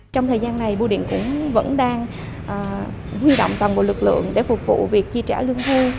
trong thời gian này bưu điện cũng vẫn đang huy động toàn bộ lực lượng để phục vụ việc chi trả lương hưu